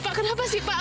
pak kenapa sih pak